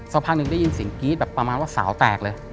สักพักหนึ่งได้ยินเสียงกรี๊ดแบบประมาณว่าสาวแตกเลย